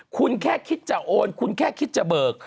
คุณแค่คิดจะโอนคุณแค่คิดจะเบิก